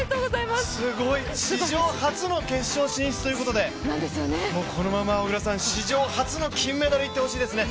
すごい、史上初の決勝進出ということで、このまま史上初の金メダル、いってほしいですね。